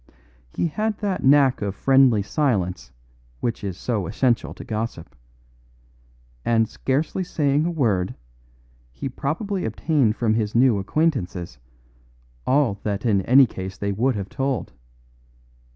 He had that knack of friendly silence which is so essential to gossip; and saying scarcely a word, he probably obtained from his new acquaintances all that in any case they would have told.